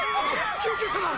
・救急車だ！